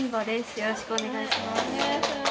よろしくお願いします。